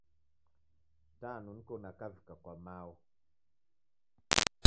Tanu niko nakavika kwa mao.